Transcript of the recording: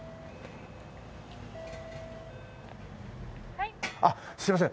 「はい」あっすいません。